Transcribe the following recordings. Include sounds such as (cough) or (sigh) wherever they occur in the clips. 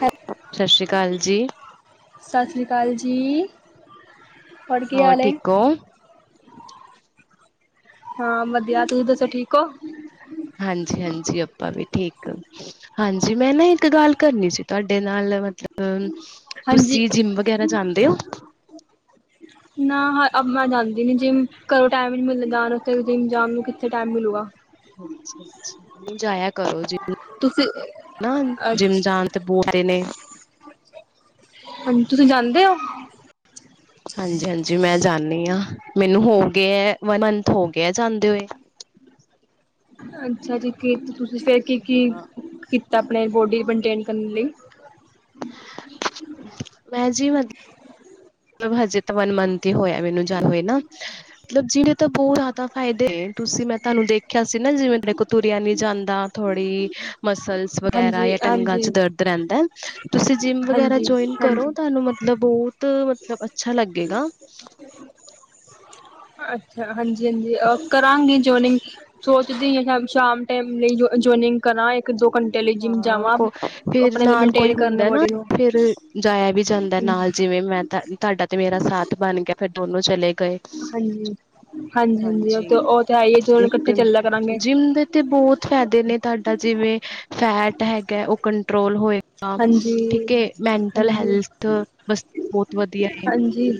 ਹੈ, ਸਤਿ ਸ੍ਰੀ ਅਕਾਲ ਜੀ। ਸਤਿ ਸ਼੍ਰੀ ਅਕਾਲ ਜੀ। ਕੀ ਹੋਰ ਹਾਲ ਹੈ ਠੀਕ ਉ ਹਾਂ ਵਧੀਆ, ਤੁਸੀਂ ਦੱਸੋ ਠੀਕ ਹੋ। ਹਾਂਜੀ-ਹਾਂਜੀ ਆਪਾਂ ਵੀ ਠੀਕ। ਹਾਂਜੀ, ਮੈਂ ਨਾ ਇੱਕ ਗੱਲ ਕਰਨੀ ਸੀ। ਤੁਹਾਡੇ ਨਾਲ ਮਤਲਬ ਅਮ, ਹਾਂਜੀ ਤੁਸੀਂ ਜਿੰਮ ਵਗੈਰਾ ਜਾਂਦੇਓ ਨਾ ਹ ਅਬ ਮੈਂ, ਜਾਂਦੀ ਨੀ ਜਿੰਮ ਘਰੋਂ ਟਾਈਮ ਹੀ, ਨੀ ਮਿਲਦਾ ਜਾਣ ਵਾਸਤੇ, ਜਿੰਮ ਜਾਣ ਨੂੰ ਕਿੱਥੇ ਟਾਈਮ ਮਿਲੇਗਾ? ਅੱਛਾ-ਅੱਛਾ, ਨਹੀਂ ਜਾਇਆ ਕਰੋ ਤੁਸੀਂ ਜਿੰਮ। ਜਿਮ ਅੱਛਾ ਜਾਨ ਤੇ ਬੋਲਦੇ ਨੇ ਹਾ, ਤੁਸੀਂ ਜਾਦੇ ਓ ਹਾਂਜੀ-ਹਾਂਜੀ, ਮੈਂ ਜਾਂਦੀ ਹਾਂ। ਮੈਨੂੰ ਹੋ ਗਏ ਹੈ, ਵਨ ਮੰਥ ਹੋ ਗਿਆ ਜਾਂਦੇ ਹੋਏ। ਅੱਛਾ, ਜੀ ਕਿ ਤੁਸੀਂ ਫਿਰ ਕੀ-ਕੀ ਹਾਂ ਕੀਤਾ, ਆਪਣੇ ਬੋਡੀ ਨੂੰ ਮੈਂਟੇਨ ਕਰਨ ਲਈ? ਵੈਸੇ ਵੱਧ ਮਤਲਬ, ਹਜੇ ਤਾਂ ਵਨ ਮੰਥ ਹੀ ਹੋਇਆ ਮੈਨੂੰ ਜਦ ਹੋਏ ਨਾ। ਮਤਲਬ ਜਿਹਦੇ ਤਾਂ ਬਹੁਤ ਜ਼ਿਆਦਾ ਫ਼ਾਇਦੇ ਤੁਸੀਂ ਮੈਂ ਤੁਹਾਨੂੰ ਦੇਖਿਆ ਸੀ ਨਾ ਜਿਵੇ ਮੇਰੇ ਕੋ ਤੁਰਿਆਂ ਨੀ ਜਾਂਦਾ ਥੋੜੀ ਮਸਲਸ ਵਗੈਰਾ ਹਾਂਜੀ ਜਾਂ ਹਾਂਜੀ ਟੰਗਾਂ'ਚ ਦਰਦ ਰਹਿੰਦਾ, ਤੁਸੀਂ ਜਿੰਮ ਵਗੈਰਾ ਹਾਂਜੀ ਜੋਈਨ ਕਰੋ। ਹਾਂਜੀ ਤੁਹਾਨੂੰ ਮਤਲਬ ਬਹੁਤ ਮਤਲਬ ਅੱਛਾ ਲੱਗੇਗਾ। ਅੱਛਾ, ਹਾਂਜੀ-ਹਾਂਜੀ ਕਰਾਂਗੇ ਜੋਇਨਿੰਗ। ਸੋਚਦੀ ਆਂ ਸ਼ਾਮ ਟਾਈਮ ਲਈ ਜੋਈਨਿੰਗ ਕਰਾਂ। ਇੱਕ-ਦੋ ਘੰਟੇ ਲਈ ਜਿੰਮ ਹਾਂ ਜਾਵਾਂ, ਕੋ ਫਿਰ ਆਪਣੇ ਲਈ ਨਾਲ ਕੋਈ ਮੇਨਟੇਨ ਕਰਨ ਹੁੰਦਾ ਨਾ ਬੋਡੀ ਨੂੰ। ਫਿਰ ਜਾਇਆ ਵੀ ਜਾਂਦਾ ਹਾਂਜੀ ਨਾਲ ਜਿਵੇਂ, ਮੈਂ ਤਾਂ ਤੁਹਾਡਾ ਤੇ ਮੇਰਾ ਸਾਥ ਬਣ ਗਿਆ ਫੇਰ ਦੋਨੋ ਚਲੇ ਗਏ। ਹਾਂਜੀ ਉਹ ਹਾਂਜੀ, ਤੇ ਉਹ ਤੇ ਹੈ ਹੀ ਦੋਨੋ ਇੱਕ ਇਕੱਠੇ ਚੱਲਿਆ ਕਰਾਂਗੇ ਜਿੰਮ ਦੇ- ਦੇ ਬਹੁਤ ਫਾਇਦੇ ਨੇ ਤੁਹਾਡਾ ਜਿਵੇਂ ਫੈਟ ਹੈਗਾ ਉਹ ਕੰਟਰੋਲ ਹੋਏ। ਹਾਂ, ਹਾਂਜੀ ਠੀਕ ਏ ਮੈਂਟਲ ਹਾਂਜੀ ਹੈਲਥ ਵਾਸਤੇ ਬਹੁਤ ਵਧੀਆ ਏ। ਹਾਂਜੀ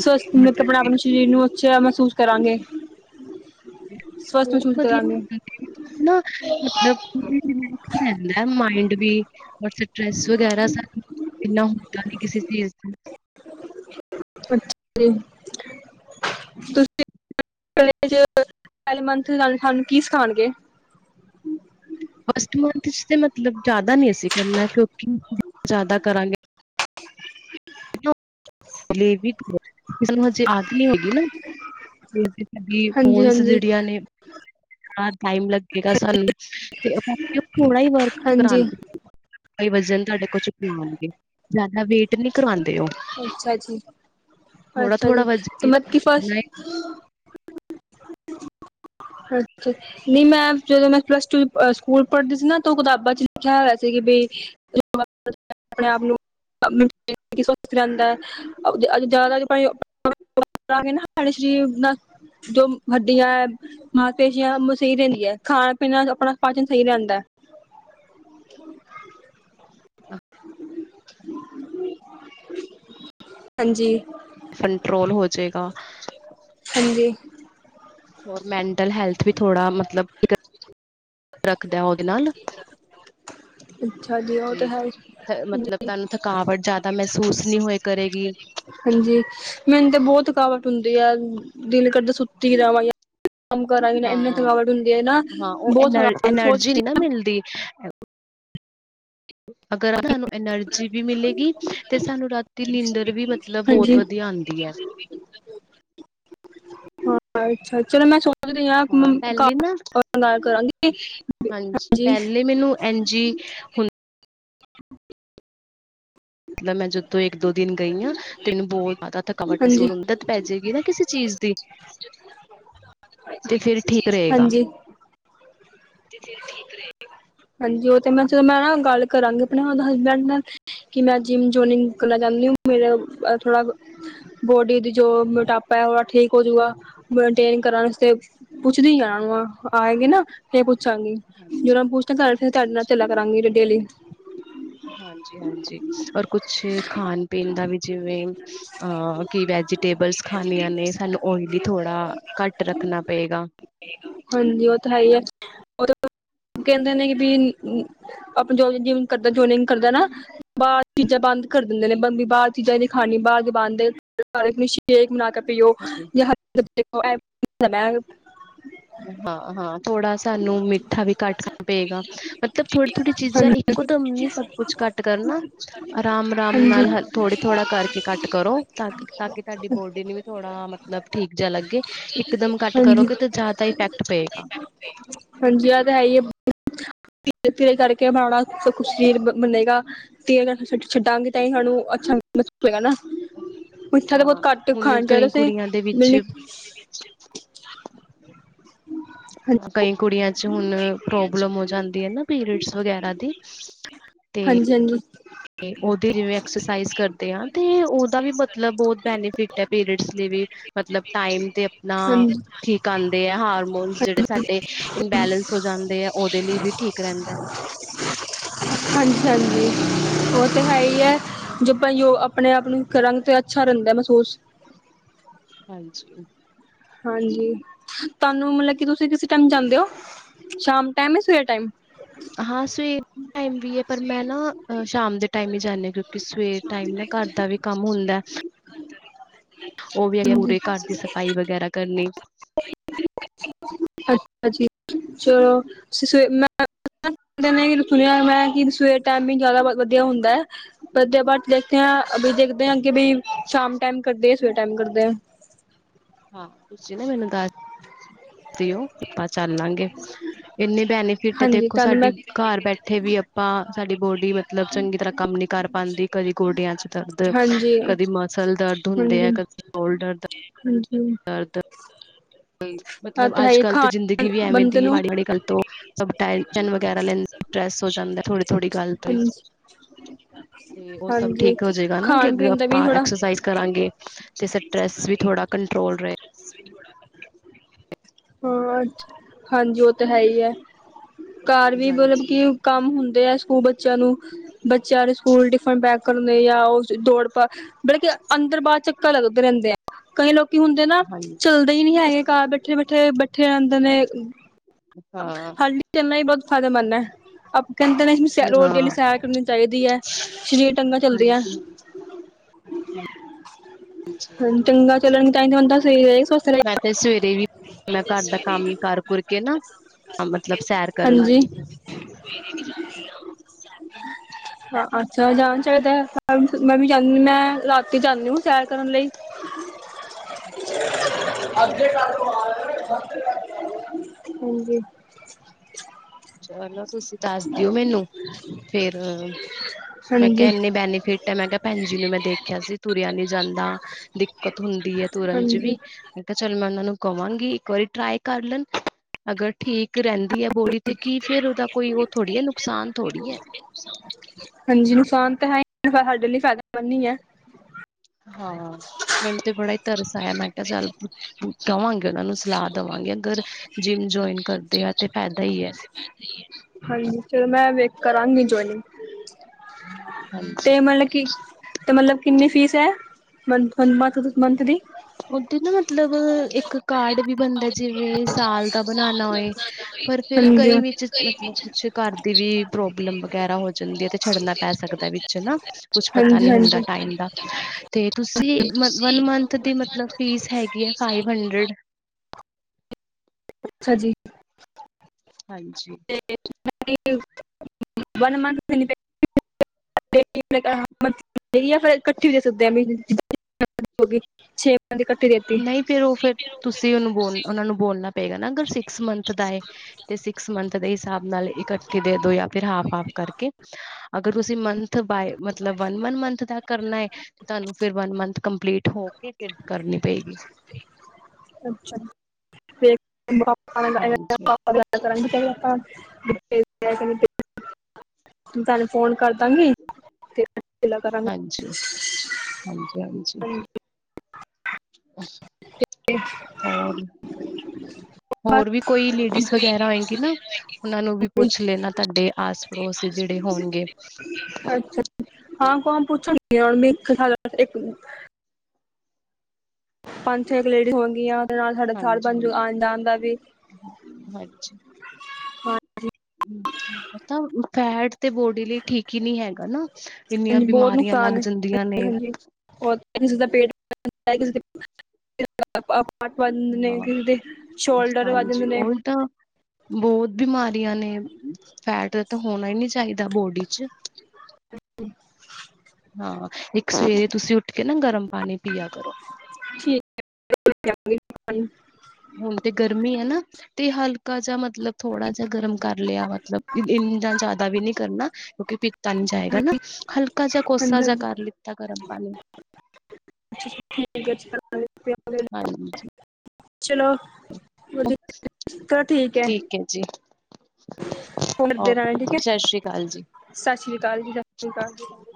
ਸਵਸਥ ਮਤਲਬ ਆਪਣਾ ਆਪਣੇ ਸਰੀਰ ਨੂੰ ਅੱਛਾ ਮਹਿਸੂਸ ਕਰਾਂਗੇ। ਸਵਸਥ ਬਹੁਤ ਮਹਿਸੂਸ ਵਧੀਆ। ਕਰਾਂਗੇ ਹੈਨਾ ਮਤਲਬ (unintelligible) ਰਹਿੰਦਾ ਮਾਇੰਡ ਵੀ। ਸਟਰੈਸ ਵਗੈਰਾ ਇਨਾ ਹੁੰਦਾ ਨ ਕਿਸੇ ਚੀਜ਼ ਦਾ। ਅੱਛ ਜੀ, ਤੁਸੀਂ (unintelligible) (unintelligible) ਪਹਿਲੇ ਮੰਥ'ਚ ਸਾਨੂੰ ਕੀ ਸਿਖਾਉਣਗੇ? ਫਸ਼ਟ ਮੰਥ'ਚ ਤੇ ਮਤਲਬ ਜ਼ਿਆਦਾ ਨੀ ਅਸੀਂ ਕਰਨਾ ਕਿਉਂਕਿ ਜ਼ਿਆਦਾ ਕਰਾਂਗੇ ਵਿਕ ਕਿਸੇ ਨੂੰ ਹਜੇ ਆਦਤ ਨੀ ਹੋਗੀ ਨਾ। ਵੀਕ ਸਾਡੀ ਹਾਂਜੀ ਬੋੰਸ ਹਾਂਜੀ ਜਿਹੜੀਆਂ ਨੇ ਹਾਂ ਟਾਈਮ ਲੱਗੇਗਾ ਸਾਨੂੰ, ਤੇ ਆਪਾ ਥੋੜਾ ਹੀ ਵਰਕ ਹਾਂਜੀ ਕਰਾਦੇ। ਕੋਈ ਵਜ਼ਨ ਤੁਹਾਡੇ ਕੋਲ ਚੁੱਕਵਾਨ ਗੇ ਜ਼ਿਆਦਾ ਵੇਟ ਨਹੀਂ ਕਰਵਾਉਂਦੇ ਉ। ਅੱਛਾ ਜੀ-ਅੱਛਾ ਥੋੜਾ ਜੀ ਤੇ ਵਜ਼ਨ ਮੰਧ ਕੀ ਆਪਣਾ ਫਸ਼ਟ ਅੱਛਾ। ਨੀ, ਮੈਂ ਜਦੋਂ ਮੈਂ ਪਲੱਸ ਟੂ ਸਕੂਲ ਪੜ੍ਹਦੀ ਸੀ ਨਾ ਤਾਂ ਉ ਕਿਤਾਬਾਂ'ਚ ਲਿਖਿਆ ਹੋਇਆ ਸੀ ਕਿ ਬਈ (unintelligible) ਆਪਣੇ ਆਪ ਨੂੰ ਸਵਸਥ ਰਹਿੰਦਾ ਹੈ, ਅੱਜ ਜ਼ਿਆਦਾ ਕਿਉਂਕਿ ਸਾਡੇ ਸਰੀਰ ਨਾਲ ਜੋ ਹਡੀਆਂ ਹੈ ਮਾਸਪੇਸ਼ੀਆਂ ਸਹੀ ਰਹਿੰਦੀਆਂ, ਖਾਣ-ਪੀਣਾ ਆਪਣਾ ਪਾਚਨ ਸਹੀ ਰਹਿੰਦਾ। (inaudible) ਹਂਜੀ। ਕੰਟਰੋਲ ਹੋ ਜਾਏਗਾ। ਹੰਜੀ। ਹੋਰ ਮੈਂਟਲ ਹੈਲਥ ਵੀ ਥੋੜਾ ਮਤਲਬ ਰੱਖਦਾ ਉਹਦੇ ਨਾਲ। ਅੱਛਾ ਜੀ, ਉਹ ਤਾਂ ਹੈਈ। ਮਤਲਬ ਤੁਹਾਨੂੰ ਥਕਾਵਟ ਜਿਆਦਾ ਮਹਿਸੂਸ ਨਹੀਂ ਹੋਏ ਕਰੇਗੀ। ਹੰਜੀ, ਮੈਨੂੰ ਤੇ ਬਹੁਤ ਥਕਾਵਟ ਹੁੰਦੀ ਏ ਦਿਲ ਕਰਦਾ ਸੁੱਤੀ ਰਵਾਂ। ਕੰਮ ਕਰਾਗੀ ਨਾ, ਇੰਨਾ ਹਾਂ ਥਕਾਵਟ ਹੁੰਦੀ ਹੈ ਨਾ ਬਹੁਤ ਥਕਾਵਟ ਸੋਚਦੀ ਇਨਾ ਮਿਲਦੀ। (unintelligible) ਅਗਰ ਸਾਨੂੰ ਐਨਰਜੀ ਵੀ ਮਿਲੇਗੀ ਤੇ ਸਾਨੂ ਰਾਤੀ ਨੀਂਦਰ ਵੀ ਮਤਲਬ ਬਹੁਤ ਹਾਂਜੀ ਵਧੀਆ ਆਦੀਏ। ਹਾਂ, ਅੱਛਾ ਚਲੋ ਮੈਂ ਸੋ ਸੋਚਦੀ ਆਂ ਮੈ ਹਾਂ ਪਹਿਲੇ ਨਾ ਘਰ ਗੱਲ ਕਰਾਂਗੀ, ਹਾਂਜੀ। ਹੰਜੀ, ਹੁਣ (unintelligible) ਮਤਲਬ ਮੈਂ ਜਦੋਂ ਇੱਕ-ਦੋ ਦਿਨ ਗਈਆ। ਮੈਨੂੰ ਬਹੁਤ ਜ਼ਿਆਦਾ ਥਕਾਵਟ ਹਾਂਜੀ ਮਹਿਸੂਸ ਹੋਈ, ਆਦਤ ਪੈ ਜੇਗੀ ਨਾ ਕਿਸੇ ਚੀਜ਼ ਦੀ। ਤੇ ਫਿਰ ਠੀਕ ਰਹੇਗਾ। ਹਾਂਜੀ (unintelligible) ਹਾਂਜੀ, ਉਹ ਤੇ ਮੈਂ ਚਲੋ ਮੈਂ ਨਾ ਗੱਲ ਕਰਾਂਗੀ ਆਪਣੇ ਉ ਹਸਬੈਂਡ ਨਾਲ ਕਿ ਮੈਂ ਜਿਮ ਜੋਇਨਿੰਗ ਕਰਨਾ ਚਾਹੁੰਦੀ ਹ ਮੇਰਾ ਥੋੜਾ ਬੋਡੀ ਦੀ ਜੋ ਮੋਟਾਪਾ ਹੈ ਉਹ ਤੋੜਾ ਠੀਕ ਹੋਜੂਗਾ, ਮੇਨਟੇਨ ਕਰਨ ਵਸਤੇ ਪੁੱਛਦੀਆਂ ਇੰਨਾਨੰ, ਆਏ ਗੇਨਾ ਫੇ ਪੁੱਛਾਂਗੀ, ਜੇ ਪੁੱਛਕੇ ਤੁਆਡੇ ਨਾਲ ਚਲਾਂ ਕਰਾਂਗੀ ਡੇਲੀ। ਹੰਜੀ-ਹੰਜੀ, ਔਰ ਕੁਛ ਖਾਣ-ਪੀਣ ਦਾ ਵੀ ਜਿਵੇਂ ਅਹ ਕਿ ਵੈਜੀਟਟੇਬਲਸ ਖਾਣੀਆਂ ਨੇ ਸਾਨੂੰ ਔਈਲੀ ਥੋੜਾ ਘੱਟ ਰੱਖਣਾ ਪਏਗਾ। ਹਾਂਜੀ, ਉਹ ਤਾਂ ਹੈ ਹੀ ਹੈ ਉਹ ਤੇ ਕਹਿੰਦੇ ਨੇ ਕਿ ਵੀ ਆਪਾਂ ਜੋ ਜਿਮ ਕਰਦਾ ਜੋ ਨਹੀ ਕਰਦਾ ਨਾ ਬਾਹਰ ਚੀਜ਼ਾਂ ਬੰਦ ਕਰ ਦਿੰਦੇ ਨੇ ਬਾਹਰ ਚੀਜ਼ਾਂ ਨਹੀਂ ਖਾਣੀਆਂ ਬਾਰ ਦੀਆਂ ਚੀਜ਼ਾਂ ਬੰਦ ਏ (inaudible) ਹਾਂ-ਹਾਂ ਥੋੜਾ ਸਾਨੂੰ ਮਿੱਠਾ ਵੀ ਘੱਟ ਖਾਣਾ ਪਏਗਾ ਮਤਲਬ ਥੋੜੀ- ਥੋੜੀ ਚੀਜ਼ਾਂ ਇੱਕੋ ਹਾਂਜੀ ਦਮ ਨਹੀ ਸਭ ਕੁਛ ਘੱਟ ਕਰਨਾ। ਆਰਾਮ -ਆਰਾਮ ਨਾਲ ਥੋੜਾ- ਥੋੜਾ ਕਰਕੇ ਘਟ ਕਰੋ ਤਾਂ ਤਾਂ ਕਿ ਤੁਹਾਡੀ ਬੋਡੀ ਨੂੰ ਵੀ ਥੋੜਾ ਮਤਲਬ ਠੀਕ ਜਾ ਲੱਗੇ, ਇੱਕ ਦਮ ਘੱਟ ਹਾਂਜੀ ਕਰੋਗੇ ਤੇ ਜਾਦਾ ਇਫੈਕਟ ਪਏਗਾ। ਹਾਂਜੀ ਇਹ ਤਾਂ ਹੈ ਈ ਏ ਧੀਰੇ -ਧੀਰੇ ਕਰਕੇ ਬਨਾਉਣਾ ਤਾਂ ਸਰੀਰ ਬਣੇਗਾ ਤੇ ਅਗਰ ਛੱਡਾਂਗੇ ਤਾਂ ਹੀ ਸਾਨੂੰ ਅੱਛਾ ਮਿੱਠਾ ਤੇ ਬਹੁਤ ਹਾਂ ਘੱਟ ਹੁਣ ਖਾਣਾ ਚਾਹੀਦਾ ਕਈ ਸੀ ਕੁੜੀਆਂ ਦੇ ਵਿੱਚ (inaudible) ਕਈ ਕੁੜੀਆਂ ਚ ਹੁਣ ਪ੍ਰੋਬਲਮ ਹੋ ਜਾਂਦੀ ਹੈ ਨਾ ਪੀਰੀਅਡਸ ਵਗੈਰਾ ਦੀ ਹਾਂਜੀ-ਹਾਂਜੀ ਉਦੇਂ ਜਿਵੇਂ ਐਕਸਾਈਜ਼ ਕਰਦੇ ਹਾਂ ਤੇ, ਉਹਦਾ ਵੀ ਮਤਲਬ ਬਹੁਤ ਬੈਨੀਫਿਟ ਏ ਪੀਰੀਅਡਸ ਲਈ ਵੀ ਮੱਤਲਬ ਟਾਈਮ ਤੇ ਆਪਨਾ ਹਾਂਜੀ ਇਕ ਆਦੇਂ ਹੈ ਹਾਰਮੋਨਸ ਜਿਹੜੇ ਸਾਡੇ ਇੰਨਬਲੈਂਸ ਹੋ ਜਾਂਦੇ ਆ, ਉਹਦੇ ਲਈ ਵੀ ਠੀਕ ਰਹਿੰਦਾ ਹਾਂਜੀ- ਹਾਂਜੀ ਉਹ ਤੇ ਹੈਈ ਏ ਜੇ ਆਪਾਂ ਆਪਨੇ ਆਪ ਨੂੰ ਕਰਾਂਗੇ ਤੇ ਅੱਛਾ ਰਹਿੰਦੇ ਮਹਿਸੂਸ ਹਾਂਜੀ ਹਾਂਜੀ, ਤਹਾਨੂੰ ਮਤਲਬ ਕੀ ਤੁਸੀਂ ਕਿਸ ਟੈਮ ਜਾਂਦੇ ਹੋ ਸ਼ਾਮ ਟੈਮ ਯਾ ਸਵੇਰ ਟੈਮ ਹਾਂ, ਸਵੇਰ ਟੈਮ ਵੀ ਏ ਪਰ ਮੈਂ ਨਾਂ ਸ਼ਾਮ ਦੇ ਟੈਮ ਹੀ ਜਾਂਦੇ ਕਿਉਂਕਿ ਸਵੇਰ ਟੈਮ ਨਾ ਘਰ ਦਾ ਵੀ ਕੰਮ ਹੁੰਦਾ ਉਵੀ ਹੇਗੇਆਂ ਹਾਂਜੀ ਪੂਰੇ ਘਰ ਦੀ ਸਫ਼ਾਈ ਵਗੈਰਾ ਕਰਨੀ ਅੱਛਾ ਜੀ ਚਲੋ ਅਸੀਂ ਸਵੇਰ ਟਾਈਮਿੰਗ ਜਾਂਦਾ ਵਧੀਆ ਹੁੰਦਾ ਹੈ। ਵਧੀਆ ਦੇਖਦੇ ਹਾ ਅਭੀ ਦੇਖਦੇ ਕਿ ਸ਼ਾਮ ਟੈਮ ਕਰਦੇ ਆ ਸਵੇਰੇ ਟੈਮ ਕਰਦੇ ਆ- ਹਾਂ ਤੁਸੀਂ ਨਾਂ ਮੈਨੂੰ ਦੱਸ ਦਿਓ ਆਪਾਂ ਚੱਲਾਂਗੇ ਇੰਨੇ ਬੈਨੀਫਿਟ ਏ ਹਾਂਜੀ ਦੇਖੋ ਤੁਹਾਨੂੰ ਮੈਂ ਸਾਡੀ ਘਰ ਬੈਠੇ ਵੀ ਆਪਾਂ ਸਾਡੀ ਬੋਡੀ ਮਤਲਬ ਚੰਗੀ ਤਰ੍ਹਾਂ ਕੰਮ ਨੀ ਕਰ ਪਾਉਂਦੀ ਕਦੀ ਗੋਡਿਆਂ ਚ ਦਰਦ ਹਾਂਜੀ ਕਦੀ ਮਸਲ ਦਰਦ ਹੁੰਦੇ ਏ ਹਾਂਜੀ ਕਦੇ ਸ਼ੋਲਡਰ ਦਾ ਹਾਂਜੀ ਦਰਦ ਇਹ ਮਤਲਬ ਤਾਂ ਹੈ ਹੀ ਅਜ-ਕਲ ਖਾਣ ਜ਼ਿੰਦਗੀ ਵੀ ਐਵੇਂ ਬੰਦੇ ਦੀ ਨੂੰ ਮਾੜੀ-ਮਾੜੀ ਗੱਲ ਤੋਂ ਸਭ ਟੈਸ਼ਨ ਵਗੈਰਾ ਲੈਂਦੇ ਸਟ੍ਰੈੱਸ ਹੋ ਜਾਂਦਾ ਥੋੜੀ-ਥੋੜੀ ਗੱਲ ਤੋਂ ਹੀ, ਹਾਂਜੀ ਤੇ ਉਹ ਸਭ ਹਾਂਜੀ ਠੀਕ ਹੋ ਜਾਏਗਾ ਨਾ ਕੀ ਖਾਣ ਅੱਗੇ ਪੀਣ ਦਾ ਵੀ ਆਪਾਂ ਥੋੜਾ ਐਕਸਰਸਾਈਜ਼ ਕਰਾਂਗੇ ਤੇ, ਸਟਰੈਸ ਵੀ ਥੋੜਾ ਕੰਟਰੋਲ ਰਹੇ (unintelligible) ਹੋਰ ਹਾਂਜੀ ਉਹ ਤੇ ਹੈ ਹੀ ਏ ਘਰ ਵੀ ਮੱਤਲਬ ਹਾਂਜੀ ਕੀ ਕੰਮ ਹੁੰਦੇ ਏ ਸਕੂਲ ਬੱਚਿਆਂ ਨੂੰ ਬੱਚਿਆਂ ਦੇ ਸਕੂਲ ਟਿਫਿਨ ਪੈਂਕ ਕਰਨੇ, ਜਾਂ ਉਹ ਦੌੜ ਪਾ ਕਿ ਅੰਦਰ-ਬਾਹਰ ਚੱਕਰ ਲਗਦੇ ਰਹਿੰਦੇ ਆ। ਕਈ ਲੋਕੀ ਹੁੰਦੇ ਨਾ ਹਾਂਜੀ ਚੱਲਦੇ ਹੀ ਨਹੀਂ ਹੈਗੇ, ਘਰ ਬੈਠੇ -ਬੈਠੇ -ਬੈਠੇ ਰਹਿੰਦੇ ਨੇ। ਹਾਂ ਹਾਲੇ ਤਾਂ ਇਤਨਾ ਹੀ ਬਹੁਤ ਫਾਇਦੇਮੰਦ ਹੈ। ਆਪਾਂ ਕਹਿੰਦੇ ਨੇ ਰੋਜ਼ ਹਾਂ ਡੇਲੀ ਸੈਰ ਕਰਨੀ ਚਾਹੀਦੀ ਹੈ, ਸ਼ਰੀਰ ਟੰ। ਗਾ ਚੱਲਦੀ ਆ। ਹੈ ਹਾਂ ਟੰਗਾ ਚੱਲਣ ਤਾਂ ਤਾਂ ਬੰਦਾ ਸਹੀ ਰਹਿ ਸਵਸਥ ਰਹਿ ਮੈਂ ਤੇ ਸਵੇਰੇ ਵੀ ਮੈਂ ਘਰ ਦਾ ਕੰਮ ਕਰ ਕੁੁਰ ਕੇ ਨਾ ਮਤਲਬ ਸੈਰ ਕਰਨ ਲੱਗੀ। ਦੀਦੀ ਕੀ ਕਰ ਰਹੇ ਹੋ ਸਾਨੂੰ? ਹਾਂ ਅੱਛਾ ਜਾਣਾ ਚਾਹੀਦਾ, ਮੈਂ ਵੀ ਜਾਂਦੀ ਮੈਂ ਰਾਤੀ ਜਾਂਦੀ ਹੁੰ ਸੈਰ ਕਰਨ ਲਈ। ਅੱਛਾ -ਅੱਛਾ। ਅੱਗੇ ਕਰ ਲਓ। ਕੰਮ ਤੇ ਜਾਣਦੇ ਆ। ਹਾਂਜੀ। ਚਲੋ, ਤੁਸੀਂ ਦੱਸ ਦਿਓ ਮੈਨੂੰ, ਫੇਰ ਮੈਂ ਹਾਂਜੀ ਕਿਹਾ ਇੰਨੀ ਬੈਨੀਫਿਟ ਹੈ, ਮੈਂ ਕਿਹਾ ਭੈਣ ਜੀ ਨੂੰ ਮੈਂ ਦੇਖਿਆ ਸੀ ਤੁਰਿਆ ਨਹੀਂ ਜਾਂਦਾ। ਦਿੱਕਤ ਹੁੰਦੀ ਹੈ ਤੁਰਨ ਚ ਵੀ। ਹਾਂਜੀ ਮੈਂ ਕਿਹਾ ਚੱਲ ਮੈਂ ਉਹਨਾਂ ਨੂੰ ਕਵਾਂਗੀ ਇੱਕ ਵਾਰੀ ਟਰਾਈ ਕਰ ਲੈਣ, ਅਗਰ ਠੀਕ ਰਹਿੰਦੀ ਹੈ। ਬੋਡੀ ਤੇ ਕੀ ਫੇਰ ਉਹਦਾ ਕੋਈ ਉਹ ਥੋੜੀ ਏ ਨੁਕਸਾਨ ਥੋੜ੍ਹੀ ਏ। ਹਾਂਜੀ, ਨੁਕਸਾਨ ਤੇ ਹੈ ਨੀ ਸਾਡੇ ਲਈ ਫਾਇਦੇਮੰਦ ਹੀ ਹੈ। ਹਾਂ, ਮੈਨੂੰ ਤੇ ਬੜਾ ਹੀ ਤਰਸ ਆਇਆ, ਮੈਂ ਕਿਹਾ ਚੱਲ। ਕਵਾਂਗੇ ਉਹਨਾਂ ਨੂੰ ਸਲਾਹ ਦੇਵਾਂਗੇ, ਅਗਰ ਜਿੰਮ ਜੁਆਇਨ ਕਰਦੇ ਆ ਤੇ ਫਾਇਦਾ ਹੀ ਹੈ। ਹਾਂਜੀ, ਫਿਰ ਮੈਂ ਵੇਖ ਕਰਾਂਗੀ ਜੁਆਇਨ। ਤੇ ਹਾਂਜੀ ਮਤਲਬ ਕਿ ਅਤੇ, ਮਤਲਬ ਕਿੰਨੀ ਫ਼ੀਸ ਹੈ ਮੰ ਮੰਥ ਦੀ? ਉੱਥੇ ਨਾ ਮਤਲਬ ਇੱਕ ਕਾਰਡ ਵੀ ਬਣਦਾ ਜਿਵੇਂ ਸਾਲ ਕਬਨਾ ਨਾ ਹੋਏ ਪਰ ਫਿਰ ਹਾਂਜੀ ਕਈ ਵਿੱਚ ਮਤਲਬ ਕੁਛ ਘਰ ਦੀ ਵੀ ਪ੍ਰੋਬਲਮ ਵਗੈਰਾ ਹੋ ਜਾਂਦੇ ਤੇ ਛੱਡਨਾ ਪੈ ਸਕਦਾ ਵਿੱਚ ਹਨਾ, ਕੁਛ ਪਤਾ ਹਾਂਜੀ ਨੀ ਹੁੰਦਾ ਹਾਂਜੀ ਟਾਈਮ ਦਾ। ਤੇ ਤੁਸੀਂ ਮਤਲਬ ਮਥੰ ਦੀ ਮਤਲਬ ਫੀਸ ਹੈਗੀ ਹੈ ਫਾਈਵ ਹੰਡਰਡ। ਅੱਛਾ ਜੀ। ਹਾਂਜੀ। ਏ ਮੈਂ ਕਿਹਾ ਵਨ ਮੰਥ ਨਹੀਂ ਤੇ ਨੇ ਕਿਹਾ ਹਮ (unintelligible) ਇਹੀ ਹੈ ਫਿਰ ਇਕੱਠੀ ਦੇ ਸਕਦੇ ਹਾਂ, ਮਹੀਨਿਆਂ ਦੀ ਛੇ। ਇਹਨਾਂ ਦੀ ਇਕੱਠੀ ਦੇ ਨਹੀਂ ਪੇ ਉਹ ਫਿਰ ਤੁਸੀਂ ਉਹਨੂੰ ਬੋਲ ਉਹਨਾ ਨੂੰ ਬੋਲਣਾ ਪਏਗਾ, ਨਾ ਅਗਰ ਸਿਕਸ ਮੰਥ ਦਾ ਏ ਤੇ ਸਿਕਸ ਮੰਥ ਦੇ ਹਿਸਾਬ ਨਾਲ ਇਕੱਠੇ ਦੇ ਦੋ ਜਾਂ ਫਿਰ ਹਾਫ ਹਾਫ ਕਰਕੇ। ਅਗਰ ਤੁਸੀਂ ਮੰਥ ਬਾਏ ਮਤਲਬ ਵਨ ਮੰਥ ਦਾ ਕਰਨਾ ਹੈ ਤੁਹਾਨੂੰ ਫਿਰ ਵਨ ਮੰਥ ਕੰਪਲੀਟ ਹੋ ਕੇ ਫਿਰ ਕਰਨੀ ਪਏਗੀ। ਅੱਛਾ। ਮੈਨੂੰ ਪਾਪਾ ਨਾਲ ਹਾਂਜੀ ਗੱਲ ਕਰਾਂਗੀ, ਪਹਿਲਾਂ ਆਪਾਂ ਫੇਰ ਕੀ ਕਰਾਂਗੇ। ਤੁਹਾਨੂੰ ਫੋਨ ਕਰਦਾਂਗੀ। ਫੇਰ ਗੱਲਾਂ ਕਰਾਂਗੇ ਹਾਂਜੀ ਹਾਂਜੀ ਹਾਂਜੀ ਹੂੰ। ਹੋਰ ਹੋਰ ਵੀ ਕੋਈ ਲੇਡੀਜ਼ਸ ਵਗੈਰਾ ਹੋਏਗੀ ਨਾ, ਉਹਨਾਂ ਨੂੰ ਵੀ ਪੁੱਛ ਲੈਣਾ ਤੁਹਾਡੇ ਆਸ ਪੜੋਸ ਜਿਹੜੇ ਹੋਣਗੇ। ਅੱਛਾ ਹਾਂ ਕੌਣ ਪੁੱਛਾਂਗੀ ਮੈਂ ਇੱਕ ਨੂੰ ਪੰਜ- ਛੇ ਇੱਕ ਲੇਡੀ ਹੋਣਗਈਆਂ ਨਾਲ ਸਾਡਾ ਸਾਥ ਬਣ ਜਾਓ ਆਣ ਜਾਣ ਦਾ ਵੀ। ਅਜ ਹਾਂਜੀ ਪਤਾ ਓੜਤਾ ਹੈਟ ਤੇ ਬੋਡੀ ਲਈ ਠੀਕ। ਕੀ ਨਹੀਂ ਹੈਗਾ ਨਾ ਇੰਨੀਆਂ ਹਾਂਜੀ ਬਿਮਾਰੀਆਂ ਲੱਗ ਜਾਂਦੀਆਂ ਨੇ ਬੋਤ ਇੰਝ ਪੇਟ ਹੈਗਾ ਜੇ (unintelligible) ਫੇਰ ਪਾਟ ਵੱਧ ਹਾਂ ਜਾਂਦੇ ਨੇ ਸ਼ੋਲਡਰ ਵੱਧ ਜਾਂਦੇ ਨੇ ਬੋਤ ਬਿਮਾਰੀਆਂ ਨੇ ਫੈਟ ਤਾਂ ਹੋਣਾ ਹੀ ਨੀ ਚਾਹੀਦਾ ਬੋਡੀ ਚ। ਅਸੀਂ (unintelligible) ਹਾਂ ਇੱਕ ਸਵੇਰੇ ਤੁਸੀਂ ਉੱਠ ਕੇ ਨਾ ਗਰਮ ਪਾਣੀ ਪੀਆ ਕਰੋ। ਠੀਕ (unintelligible) ਹੁਣ ਤੇ ਗਰਮੀ ਹੈ ਨਾ। ਤੇ ਹਲਕਾ ਜਿਹਾ ਮਤਲਬ ਥੋੜਾ ਜਿਹਾ ਗਰਮ ਕਰ ਲਿਆ ਮਤਲਬ ਇੰਨਾ ਜ਼ਿਆਦਾ ਵੀ ਨੀ ਕਰਨਾ। ਕਿਉਂਕਿ ਪੀਤਾ ਨੀ ਜਾਏਗਾ ਨਾ, ਹਲਕਾ ਜਿਹਾ ਕੋਸਾ ਜਿਹਾ ਕਰ ਲਿੱਤਾ ਗਰਮ ਪਾਣੀ। (unintelligible) ਠੀ ਹਾਂਜੀ ਚਲੋ। ਵਧੀਆ ਚਲ ਠੀਕ ਹੈ। ਹੁਨ ਓਕੇ ਬਣਾਣਗੇ ਜੀ ਸਤਿ ਸ੍ਰੀ ਅਕਾਲ ਜੀ ਸਤਿ ਸ੍ਰੀ ਅਕਾਲ ਜੀ, ਸਤਿ ਸ੍ਰੀ ਅਕਾਲ।